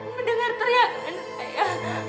mendengar teriak teriak saya